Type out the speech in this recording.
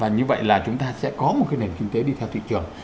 như vậy là chúng ta sẽ có một cái nền kinh tế đi theo thị trường